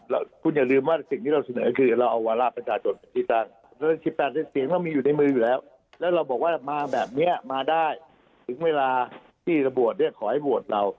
และกูอย่าลืมว่าสิ่งที่เราเสนอคือเราเอาวาราประจาโจร